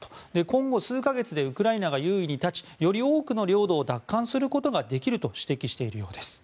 今後数か月でウクライナが優位に立ちより多くの領土を奪還することができると指摘しているようです。